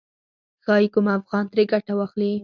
ښايي کوم افغان ترې ګټه واخلي.